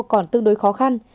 còn tương đối khó khăn